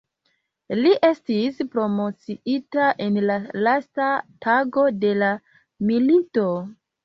Li estis promociita en la lasta tago de la milito.